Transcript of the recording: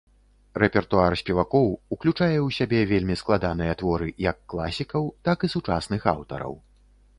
Рэпертуар спевакоў ўключае ў сябе вельмі складаныя творы як класікаў, так і сучасных аўтараў.